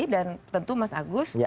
dan tentu mas agus